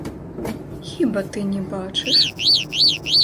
Хіба ты не бачыш?